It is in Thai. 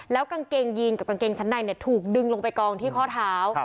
กางเกงยีนกับกางเกงชั้นในถูกดึงลงไปกองที่ข้อเท้า